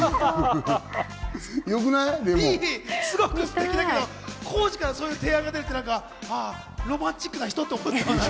すごくステキだけど、浩次からそういう提案が出るって、ロマンチックな人って思いました。